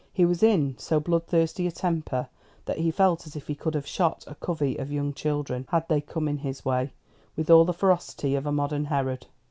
He was in so bloodthirsty a temper, that he felt as if he could have shot a covey of young children, had they come in his way, with all the ferocity of a modern Herod.